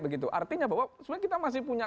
begitu artinya bahwa sebenarnya kita masih punya